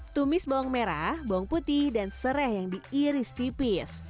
tumis bawang merah bawang putih dan serai yang diiris tipis